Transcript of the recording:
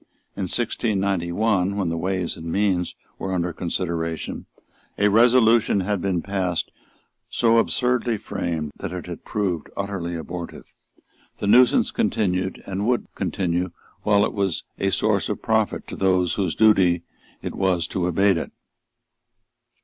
In 1691, when the Ways and Means were under consideration, a resolution had been passed so absurdly framed that it had proved utterly abortive. The nuisance continued, and would continue while it was a source of profit to those whose duty was to abate it.